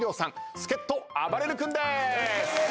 助っ人あばれる君です。